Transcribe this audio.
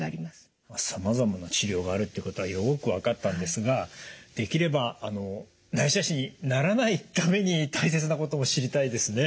さまざまな治療があるっていうことはよく分かったんですができれば内斜視にならないために大切なことも知りたいですね。